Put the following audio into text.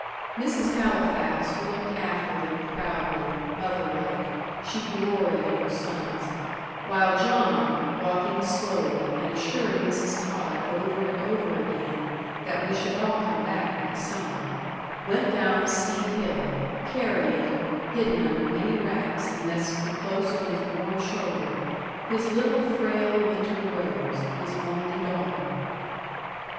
Mrs. Halifax looked after them proudly mother like, she gloried in her sons; while John, walking slowly, and assuring Mrs. Tod over and over again that we should all come back next summer, went down the steep hill, carrying, hidden under many wraps and nestled close to his warm shoulder, his little frail winter rose his only daughter.